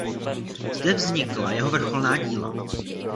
Zde vznikla jeho vrcholná díla.